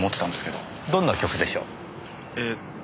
どんな曲でしょう？ええ。